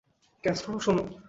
Castro, শোনো।